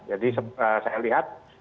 jadi saya lihat